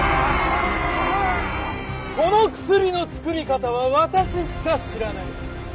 この薬の作り方は私しか知らない。